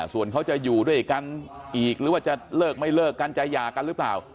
ส่วนเขาจะอยู่ด้วยกันอีกหรือว่าจะเลิกไม่เลิกกันจะหย่ากันหรือเปล่า